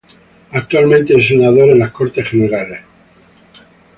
Actualmente es Senador en las Cortes Generales.